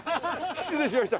失礼しました。